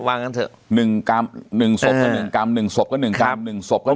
ว่างั้นเถอะหนึ่งกรรมหนึ่งศพก็หนึ่งกรรมหนึ่งศพก็หนึ่งกรรมหนึ่งศพก็หนึ่งกรรม